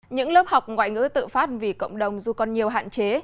những lớp học ngoại ngữ tự phát vì cộng đồng dù còn nhiều hạn chế